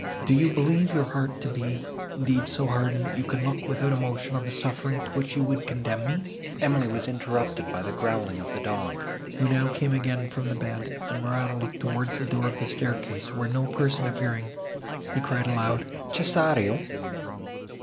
Do you believe your heart to be, indeed, so hardened, that you can look without emotion on the suffering, to which you would condemn me?—" Emily was interrupted by the growling of the dog, who now came again from the bed, and Morano looked towards the door of the staircase, where no person appearing, he called aloud, "Cesario!"